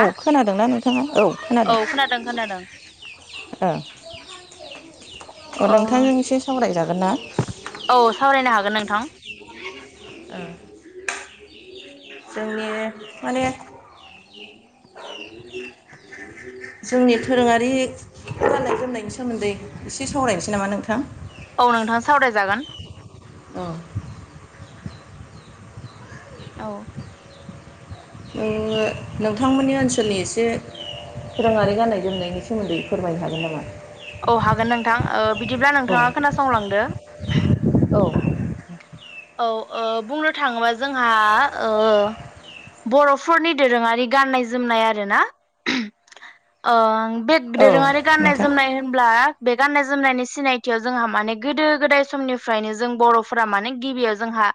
औ खोनादोंना नोंथाङा? औ खोनादों। औ खोनादों ओ अ नोंथांजों अ एसे सावरायजागोन ना? औ सावरायनो हागोन नोंथां। ओ। जोंनि माने [unintelligible] जोंनि दोरोङारि गाननाय जोमनायनि सोमोन्दै एसे सावरायनोसै नामा नोंथां। औ नोंथां सावरायजागोन [unintelligible] औ नोंथांमोननि ओनसोलनि एसे दोरोङारि गान्नाय जोमनायनि सोमोन्दै फोरमायनो हागोन नामा औ हागोन नोंथां ओ बिदिब्ला औ नोंथाङा खोनासंलांदो औ औ ओ बुंनो थाङोबा जोंहा ओ बर'फोरनि दोरोङारि गाननाय जोमनाय आरोना ओ बे औ दोरोङारि गाननाय नोंथां जोमनाय होनोब्ला बे गाननाय जोमनायनि सिनायथियाव जोंहा माने गोदो गोदाय समनिफ्रायनो जों बर'फोरा माने गिबियाव जोंहा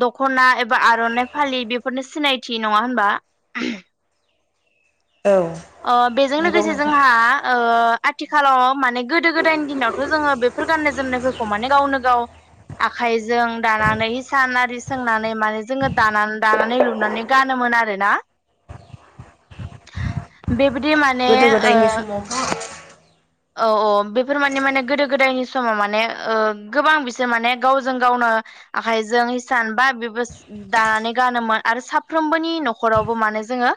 दख'ना एबा आर'नाइ फालि बेफोरनि सिनायथि नङा होनबा औ ओ बेजों नंगौ लोगोसे नोंथां जोंहा आथिखालाव माने गोदो गोदायनि दिनावथ' जोङो बेफोर गाननाय जोमनायफोरखौ माने गावनो गाव आखाइजों दानानै हिसान आरि सोंनानै माने जोङो दानानै दानानै लुनानै गानोमोन आरो ना बेबायदि माने गोदो [inaudible] औ औ बेफोर माने माने गोदो गोदायनि समाव माने ओ गोबां बिसोर माने गावजों गावनो आखाय जों एसान बा बेबोस दानानै गानोमोन आरो साफ्रोमबोनि न'खरावबो मानो जोङो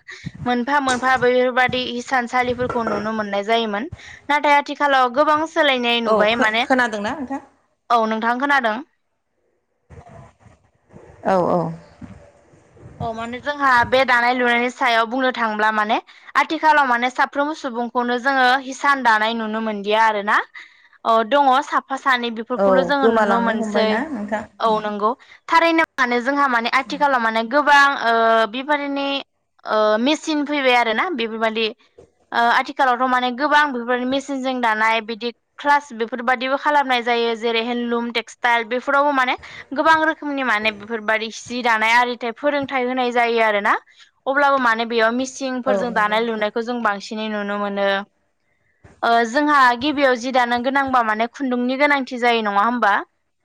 मोनफा मोनफा बेफोरबादि हिसानसालिफोरखौ नुनो मोननाय जायोमोन नाथाय आथिखालाव गोबां सोलायनाय औ नुबाय माने खोनादोंना नोंथां? औ नोंथां खोनादों औ औ अ माने जोंहा बे दानाय लुनायनि सायाव बुंनो थांब्ला माने आथिखालाव माने साफ्रोमबो सुबुंखौनो जोङो हिसान दानाय नुनो मोनदिया आरो ना औ दङ साफा सानै औ बेफोरखौल' जोङो नुनो गोमालांनो मोनसै हमबायना नोंथां औ नंगौ थारैनो माने जोंहा माने आथिखालाव माने गोबां ओ बेफारिनि मेसिन फैबाय आरोना बेफोरबादि ओ आथिखालावथ' माने गोबां बेफोरबायदि मेसिनजों दानाय बिदि क्लास बेफोरबादिबो खालामनाय जायो जेरैहाय लुम टेक्सटाइल बेफोरावबो माने गोबां रोखोमनि माने बेफोरबायदि सि दानाय आरिथेब फोरोंथाइ होनाय जायो आरोना अब्लाबो माने बेयाव औ मिसिंफोरजों नंगौ दानाय नोंथां लुनायखौ जों बांसिनै नुनो मोनो। ओ जोंहा गिबियाव जि दानो गोनांबा माने खुन्दुंनि गोनांथि जायो नङा होमबा?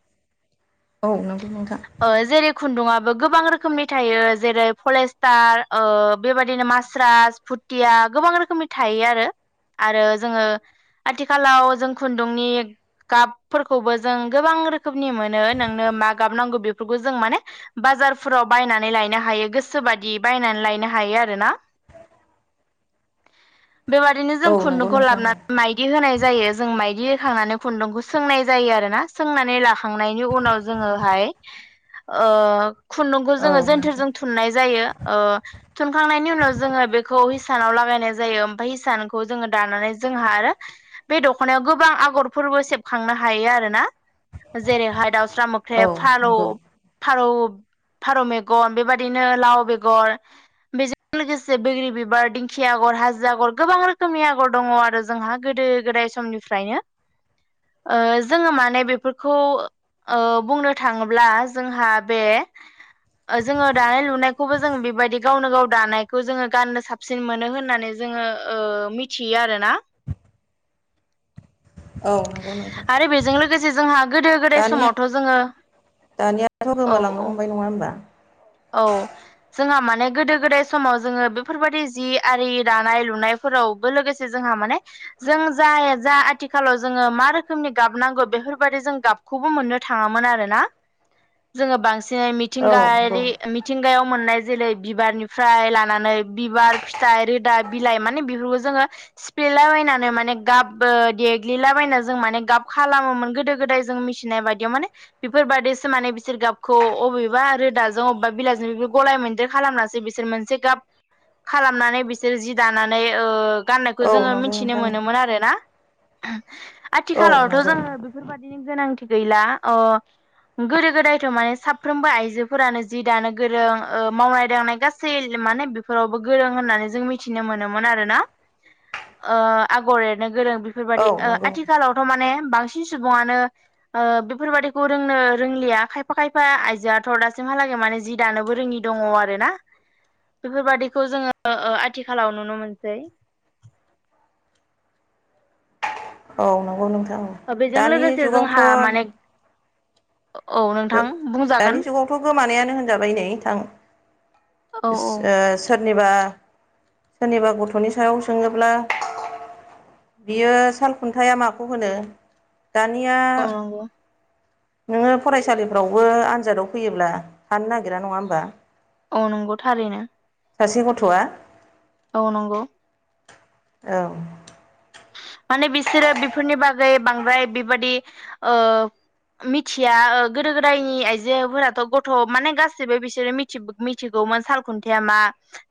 [inaudible] औ नंगौ नोंथां। ओ जेरै खुन्दुाबबो गोबां रोखोमनि थायो जेरै फलेस्टार ओ बेबायदिनो मास्रा भुथिया गोबां रोखोमनि थायो आरो आरो जोङो आथिखालाव जों खुन्दुंनि गाबफोरखौबो जों गोबां रोखोमनि मोनो नोंनो मा गाब नांगौ बेफोरखौ जों माने बाजारफोराव बायनानै लायनो हायो गोसो बादि बायनानै लायनो हायो आरोना बेबदिनो जों औ नंगौ खुन्दुंखौ नोंथां लाबोनानै औ माइ बिदि होनाय जायो जों माइदि होखांनानै खुन्दुंखौ सोंनाय जायो आरोना सोंनानै लाखांनायनि उनाव जोङोहाय ओ खुन्दुंखौ जोङो औ नोंथां जोनथोरजों थुननाय जायो ओ थुनखांनायनि उनाव जोङो बेखौ हिसानाव लागायनाय जायो ओमफ्राय हिसानखौ जोङो दानानै जोंहा आरो बे दख'नायाव गोबां आगरफोरबो सेबखांनो हायो आरो ना? जेरैहाय दाउस्रा औ मोख्रेब फारौ नंगौ -फारौ फारौ मेगन बेबायदिनो लाव बेगर बेजों लोगोसे बैग्रि बिबार दिंखि आगर हाजो आगर गोबां रोखोमनि आगर दङ आरो जोंहा गोदो -गोदाय समनिफ्रायनो ओ जोङो माने बेफोरखौ ओ बुंनो थाङोब्ला जोंहा बे ओ जोङो दानाय लुनायखौबो जों बेबायदि गावनो गाव दानायखौ जोङो गाननो साबसिन मोनो होननानै जोङो ओ मिथियो आरोना। औ नंगौ नोंथां। आरो बेजों लोगोसे जोंहा गोदो गोदाय दानिया समावथ' जोङो दानियाथ' औ गोमालांनो औ। हमबाय नङा होमबा? औ जोंहा माने गोदो गोदाय समाव जोङो बेफोरबायदि जि आरि दानाय लुनाय फोरावबो लोगोसे जोंहा माने जों जाय जा आथिखालाव जोङो मा रोखोमनि गाबनांगौ बेफोरबायदि जों गाब खौबो मोननो थाङामोन आरोना जोङो बांसिनै औ नंगौ मिथिंगायारि मिथिंगायाव मोननाय जेरै बिबारनिफ्राय लानानै बिबार फिथाइ रोदा बिलाइ माने बेफोरखौ जोङो सिफ्लेलाबायनानै माने गाब ओ देग्लिलाबायना जों माने गाब खालामोमोन गोदो गोदाय जों मिसि नाय बायदियाव माने बेफोरबायदिसो माने बिसोर गाबखौ अबेबा रोदा जों अबेबा बिलाइजों बे गलाय मोनदेर खालामनासो बिसोर मोनसे गाब खालामनानै बिसोर जि दानानै ओ गाननायखौ औ जोङो नंगौ मिथिनो नोंथां मोनोमोन आरो ना। औ आथिखालावथ' नंगौ जोङो बेफोरबायदिनो गोनांथि गैला अ गोदो गोदायथ' माने साफ्रोमबो आइजोफोरानो जि दानो गोरों ओ मावनाय दांनाय गासै माने बेफोरावबो गोरों होननानै जों मि थिनो मोनोमोन आरो ना। ओ आगर एरनो गोरों औ बेफोरबायदि ओ नंगौ आथिखालाव थ' माने बांसिन सुबुंआनो ओ बेफोरबादिखौ रोंनो रोंलिया खायफा -खायफा आयजोआथ' दासिमहालागै। माने जि दानोबो रोङि दङ आरो ना। बेफोरबादिखौ जोङो ओ आथिखालाव नुनो मोनसै। औ नंगौ नोंथां औ बेजों दानि लोगोसे जुगावथ' जोंहा माने औ नों ओ दानि जुगावथ' गोमानायानो होनजाबाय नै थां औ इस औ ओ सोरनिबा सोरनिबा गथ'नि सायाव सोङोब्ला बियो साल खुन्थाया माखौ होनो दानिया औ नंगौ नोङो फरायसालिफ्रावबो आनजादाव फैयोब्ला थानो नागिरा नङा होमबा औ नंगौ थारैनो। सासे गथ'आ औ नंगौ। औ। माने बिसोरो बेफोरनि बागै बांद्राय बेबादि ओ मिथिया ओ गोदो- गोदायनि आयजोफोराथ' गथ' माने गासिबो बिसोरो मि थि मिथिगौमोन साल खुन्थाय मा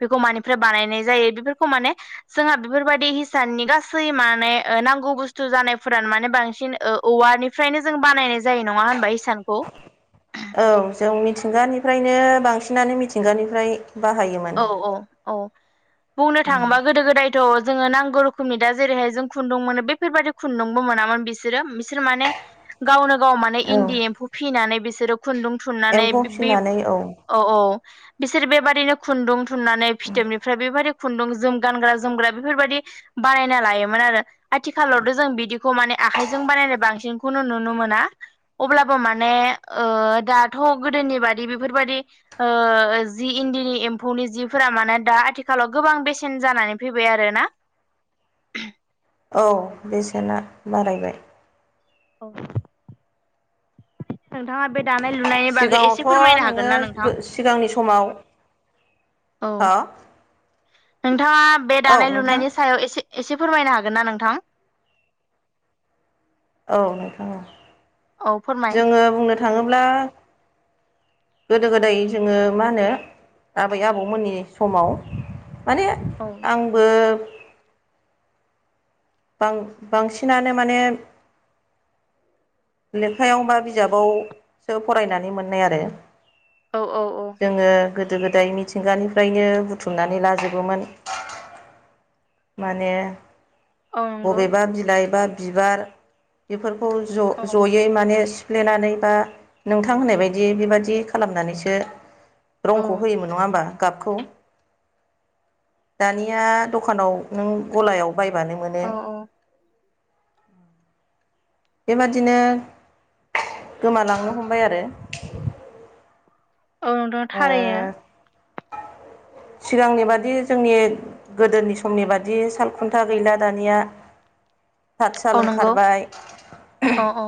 बेखौ मानिफ्राय बानायनाय जायो बेफोरखौ माने जोंहा बेफोरबायदि हिसाननि गासै मा माने ओ नांगौ बुस्थु जानायफोरानो माने बांसिन ओ औवानिफ्रायनो जों बानायनाय जायो नङा होनबा हिसानखौ? औ जों मिथिंगानिफ्रायनो बांसिनानो मिथिंगानिफ्राय बाहाय औ औ औ बुंनो थाङोबा गोदो गोदाय थ' जोङो नांगौ रोखोमनि दा जेरैहाय जों खुन्दुं मोनो बेफोरबायदि खुन्दुंबो मोनामोन बिसोरो बिसोर माने गावनो गाव माने औ इन्दि एम्फौ फिनानै बिसोरो खुन्दुं थुननानै एम्फौ बि बिब फिसिनानै औ -औ बिसोर बेबादिनो खुन्दुं थुननानै फिथोबनिफ्राय बेबायदि खुन्दुं जोम गानग्रा जोमग्रा बेफोरबादि बानायना लायोमोन आरो आथिखालावथ' जों बिदिखौ माने आखाइजों बानायनाय बांसिनखौनो नुनो मोना अब्लाबो माने ओ दाथ' गोदोनि बादि बेफोरबादि जि इन्दिनि एम्फौनि जिफोरा मानोे दा आथिखालाव गोबां बेसेन जानानै फैबाय आरोना औ बेसेना बारायबाय औ बे दानाय लुनायनि बागै एसे सिगाङावथ' फोरमायनो हागोन ना नोंथां नोङो सिगांनि समाव औ हा नोंथाङा बे दानाय लुनायनि सायाव एसे एसे फोरमायनो हागोन ना नोंथां। औ नोंथाङ औ ओ। फोरमाय जोङो बुंनो थाङोब्ला गोदो गोदाय जोङो मा होनो आबै आबौमोननि समाव माने औ आंबो बां बांसिनानो माने लेखायाव बा बिजाबावसो फरायनानै मोननाय आरो औ औ औ जोङो गोदो गोदाय मिथिंगानिफ्रायनो बुथुमनानै लाजोबोमोन माने औ नंगौ बबेबा बिलाइ बा बिबार बेफोरखौ औ ज' ज'यै माने सिफ्लेनानै बा नोंथां होननाय बायदि बेबायदि खालामनानैसो औ रंखौ होयोमोन नङा होमबा गाबखौ दानिया दखानाव नों गलायाव बायबानो मोनो औ बेबादिनो गोमालांनो हमबाय आरो औ द' थारायो ओ सिगांनि बादि जोंनि गोदोनि समनि बादि सालखुन्था गैला दानिया हतसाल ओंखारबाय अ अ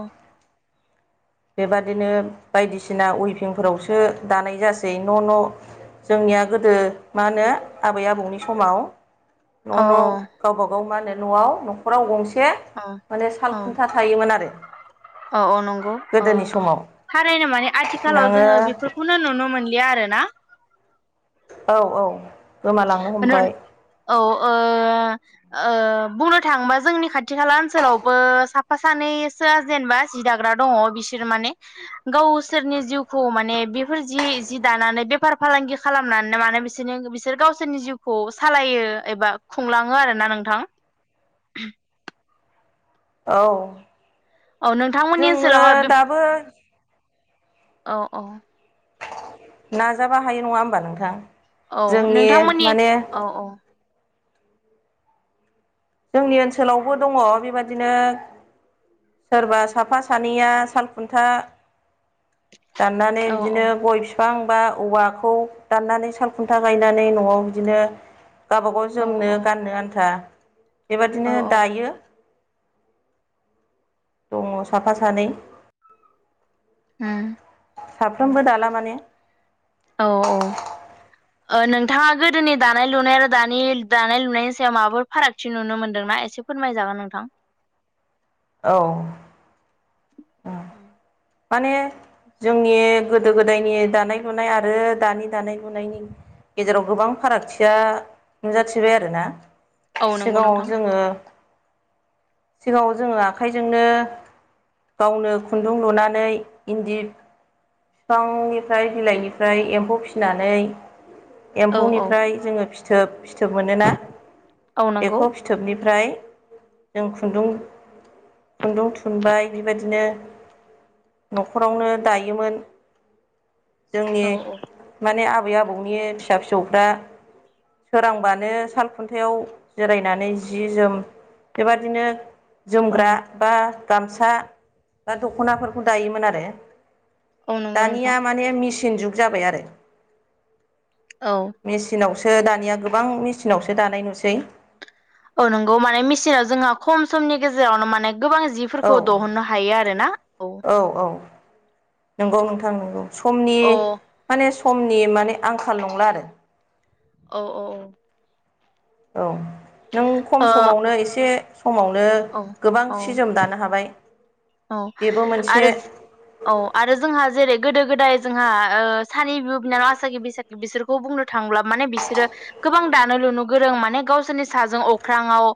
बेबादिनो बायदिसिना उइभिंफोरावसो दानाय जासै न' न' जोंनिया गोदो मा होनो आबै आबौनि समाव न' औ न' गावबाागाव मा होनो न'आव न'खराव गंसे औ माने साल खुन्था थायोमोन आरो अ अ नंगौ अ गोदोनि समाव थारैनो माने आथिखालाव नोङो जोङो बेफोर खौनो नुनो मोनलिया आरोना। औ औ गोमालांनो ना हमबाय। औ ओ ओ बुंनो थाङोबा जोंनि खाथि खाला ओनसोलावबो साफा सानै सोर जेनेबा जि दाग्रा दङ बिसोर माने गावसोरनि जिउखौ माने बेफोर जि जि दानानै बेफार फालांगि खालामनानैनो माने बिसोरनि बिसोर बिसोर गावसोरनि जिउखौ सालायो एबा खुंलाङो आर ना नोंथां औ औ नोंथांमोननि जोङो ओनसोलावहाय बे दाबो औ औ नाजाबा हायो नङा होमबा नोंथां औ जोंनि नोंथांमोननि माने औ औ जोंनि ओनसोलावबो दङ बेबादिनो सोरबा साफा सानैया सालखुन्था दाननानै औ बिदिनो गय फि बिफांबा औवाखौ दाननानै साल खुन्था गायनानै न'आव बिदिनो गावबागाव औ जोमनो गाननो आन्था औ बेबादिनो औ दायो। दङ साफा सानै उम साफ्रोमबो दाला माने। औ औ। ओ नोंथाङा गोदोनि दानाय लुनाय आरो दानि दानाय लुनायनि सायाव माबाफोर फारागथि नुनो मोन्दोंना एसे फोरमायजागोन नोंथां। औ [unintelligible] माने जोंनि गोदो गोदायनि दानाय लुनाय आरो दानि दानाय लुनायनि गेजेराव गोबां फारागथिया नुजाथिबाय आरोना। औ नंगौ सिगाङाव नोंथां जोङो सिगाङाव जोङो आखाइजोंनो गावनो खुन्दुं लुना नै इन्दि बिफांनिफ्राय बिलाइनिफ्राय एम्फौ फिसिनानै औ औ एम्फौनिफ्राय जोङो फि फिथोब फिथोब मोनोना औ नंगौ बेखौ फिथोबनिफ्राय जों खुन्दुं खुन्दुं थुनबाय बेबायदिनो न'खरावनो दायोमोन। जोंनि औ औ माने आबै आबौनि फिसा फिसौफ्रा सोरांबानो साल खुन्थायाव जिरायनानै जि जोम बेबादिनो औ जोमग्रा बा गामसा बा दख'नाफोरखौ दायोमोन आरो औ नंगौ दानिया नोंथां माने मेचिन जुग जाबाय आरो। औ मेचिनावसो दानिया गोबां मेचिनावसो दानाय नुसै औ नंगौ माने मेसिनाव जोंहा खम समनि गेजेरावनो माने गोबां जि औ फोरखौ दहननो हायो आरोना औ औ औ नोंगौ नोंथां नोंगौ समनि अ माने समनि माने आंखाल नंला आरो। औ औ औ औ नों खम औ समावनो एसे खमावनो ओ औ गोबां औ सि जोम दानो हाबाय। औ बेबो मोनसे आरो औ आरो जोंहा जेरै गोदो गोदाय जोंहा ओ सानै बिब' बिनानाव आसागि बैसागि बिसोरखौ बुंनो थांब्ला माने बिसोरो गोबां दानो लुनो गोरों माने गावसोरनि साजों अख्राङाव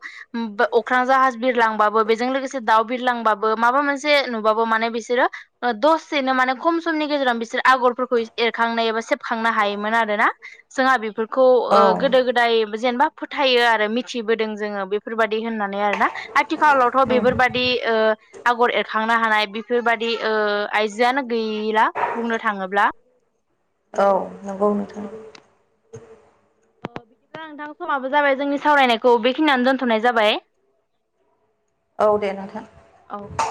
अख्रां जाहाज बिरलांबाबो बेजों लोगोसे दाउ बिरलांबाबो माबा मोनसे नुबाबो माने बिसोरो दसेनो माने खम समनि गेजेराव बिसोर आगरफोरखौ एरखांनाय एबा सेबखांनो हायोमोन आरो ना। जोंहा बेफोरखौ ओ औ गोदो -गोदाय जेनेबा फोथायो आरो मिथिबोदों जोङो बेफोरबायदि होननानै आरोना आथिखालावथ' बेफोरबादि ओ आगर एरखांनो हानाय बेफोरबायदि ओ आइजोआनो गैला बुंनो थाङोब्ला औ नंगौ औ नोंथां। दा नोंथां समाबो जाबाय जोंनि सावरायनायखौ बेखिनियानो दोनथ'नाय जाबाय। औ दे नोंथां। औ